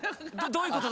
どういうこと？